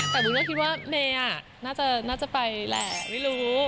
แต่วุ้นก็คิดว่าเมย์น่าจะไปแหละไม่รู้